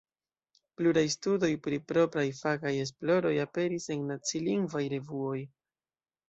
Pluraj studoj pri propraj fakaj esploroj aperis en nacilingvaj revuoj.